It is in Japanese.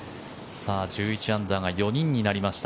１１アンダーが４人になりました。